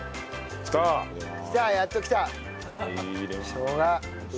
しょうが。